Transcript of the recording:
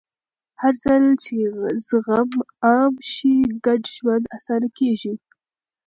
هرځل چې زغم عام شي، ګډ ژوند اسانه کېږي.